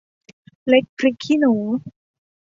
เล็กพริกขี้หนู